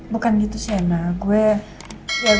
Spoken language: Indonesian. bukan gitu sih yena